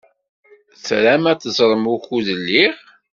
Tram ad teẓṛem wukud lliɣ?